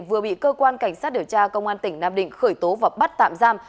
vừa bị cơ quan cảnh sát điều tra công an tỉnh nam định khởi tố và bắt tạm giam